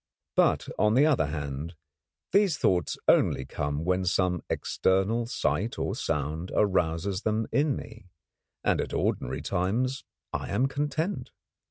But, on the other hand, these thoughts only come when some external sight or sound arouses them in me, and at ordinary times I am content.